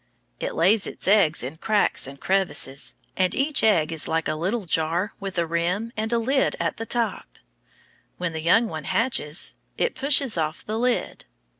It lays its eggs in cracks and crevices, and each egg is like a little jar with a rim and a lid at the top. When the young one hatches it pushes off the lid.